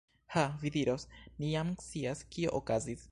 Ha, vi diros, ni jam scias, kio okazis.